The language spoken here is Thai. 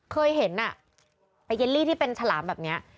เคยเห็นไอเยลลี่ที่เป็นฉลามแบบนี้